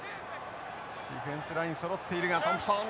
ディフェンスラインそろっているがトンプソン。